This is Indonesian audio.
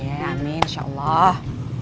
amin insya allah